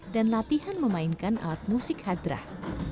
dan latihan memainkan alat musik hadrah